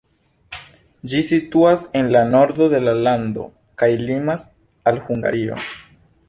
Ĝi situas en la nordo de la lando kaj limas al Hungario.